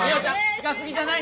近すぎじゃない？